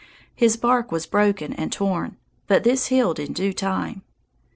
His bark was broken and torn, but this healed in due time.